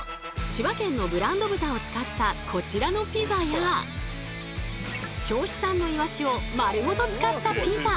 千葉県のブランド豚を使ったこちらのピザや銚子産のイワシを丸ごと使ったピザ。